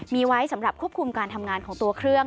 มีไว้สำหรับควบคุมการทำงานของตัวเครื่อง